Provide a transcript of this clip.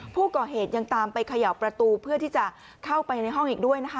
ผู้ก่อเหตุยังตามไปเขย่าประตูเพื่อที่จะเข้าไปในห้องอีกด้วยนะคะ